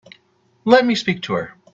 Let me speak to her.